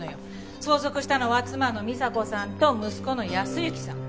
相続したのは妻の美沙子さんと息子の靖之さん。